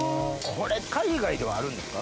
これ海外ではあるんですか？